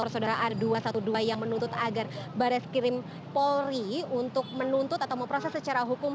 saudara r dua ratus dua belas yang menuntut agar barreskrim pori untuk menuntut atau memproses secara hukum